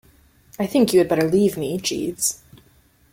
I think you had better leave me, Jeeves.